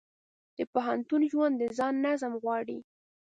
د پوهنتون ژوند د ځان نظم غواړي.